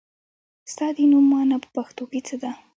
ستا د نوم مانا په پښتو کې څه ده ؟